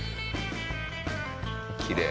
きれい。